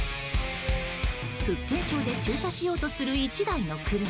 福建省で駐車しようとする１台の車。